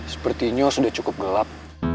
sepertinya sudah cukup gelap